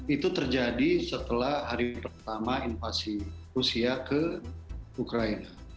itu terjadi setelah hari pertama invasi rusia ke ukraina